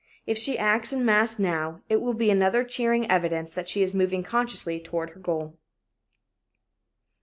If she acts in mass now, it will be another cheering evidence that she is moving consciously toward her goal.